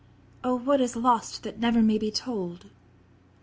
Oh what is lost that never may be told?